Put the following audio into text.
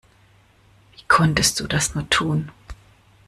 Wie konntest du das nur tun?